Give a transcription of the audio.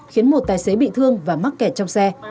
khiến một tài xế bị thương và mắc kẹt trong xe